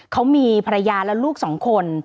เขามีภรรยาและลูกสองคน